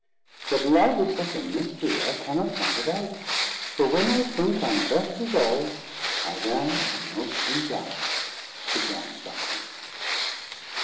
"But Love is such a Mystery I cannot find it out: For when I think I'm best resolv'd, I then am in most doubt." SIR JOHN SUCKLING.